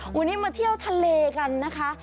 วันนี้มาเที่ยวทะเลกันนะคะ